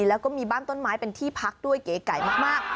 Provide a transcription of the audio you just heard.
แล้วก็มีบ้านต้นไม้เป็นที่พักด้วยเก๋มาก